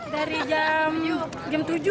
dari jam tujuh